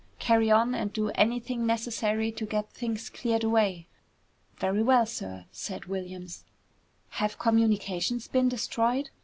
Carry on and do anything necessary to get things cleared away." "Very well, sir," said Williams. "Have communications been destroyed?"